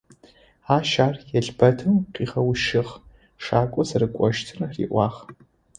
Ащ ар елбэтэу къыгъэущыгъ, шакӏо зэрэкӏощтхэр риӏуагъ.